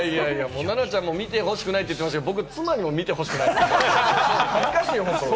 奈々ちゃん見てほしくないって言ってましたけれども、僕も妻に見て欲しくないです。